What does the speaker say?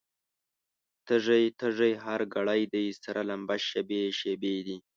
تږی، تږی هر ګړی دی، سره لمبه شېبې شېبې دي